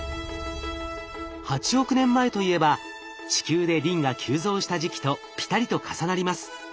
８億年前といえば地球でリンが急増した時期とピタリと重なります。